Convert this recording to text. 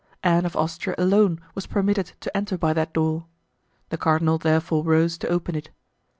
Anne of Austria alone was permitted to enter by that door. The cardinal therefore rose to open it.